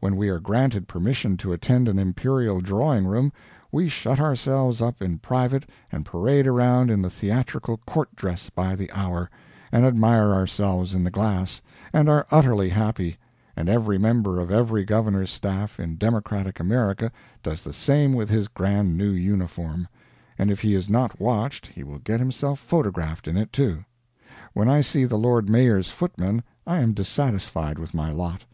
When we are granted permission to attend an imperial drawing room we shut ourselves up in private and parade around in the theatrical court dress by the hour, and admire ourselves in the glass, and are utterly happy; and every member of every governor's staff in democratic America does the same with his grand new uniform and if he is not watched he will get himself photographed in it, too. When I see the Lord Mayor's footman I am dissatisfied with my lot.